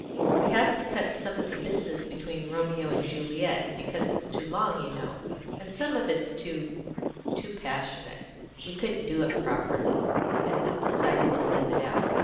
We have to cut some of the business between Romeo and Juliet, because it's too long, you know, and some of it's too too passionate; we couldn't do it properly, and we've decided to leave it out.